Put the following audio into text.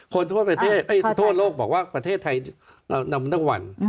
คนทั่วประเทศทั่วโลกบอกว่าประเทศไทยเรานำทั้งวัน